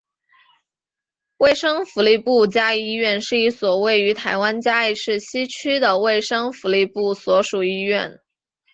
卫生福利部嘉义医院是一所位于台湾嘉义市西区的卫生福利部所属医院。